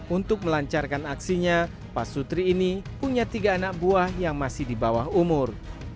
untuk melancarkan aksinya pak sutri ini punya tiga anak buah yang masih di bawah umur